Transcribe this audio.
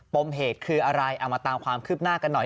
มเหตุคืออะไรเอามาตามความคืบหน้ากันหน่อย